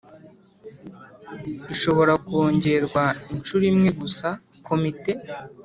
ishobora kongerwa inshuro imwe gusa Komite